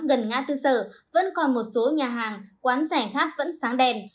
gần nga tư sở vẫn còn một số nhà hàng quán rẻ khác vẫn sáng đèn